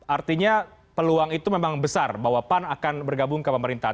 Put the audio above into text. artinya peluang itu memang besar bahwa pan akan bergabung ke pemerintahan